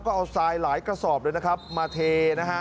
ก็เอาทรายหลายกระสอบเลยนะครับมาเทนะฮะ